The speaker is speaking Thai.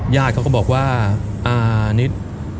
ญาติเขาก็บอกว่านิด